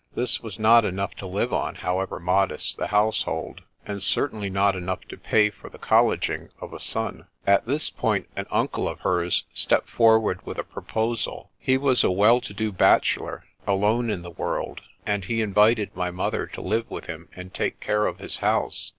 This was not enough to live on, however modest the household, and certainly not enough to pay for the colleging of a son. At this point an uncle of hers stepped forward with a proposal. He was a well to do bachelor, alone in the world, and he invited my mother to live with him and take care of his house.